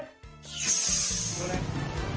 ข้าวเด็ด